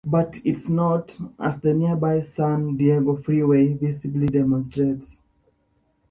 But it's not, as the nearby San Diego Freeway visibly demonstrates.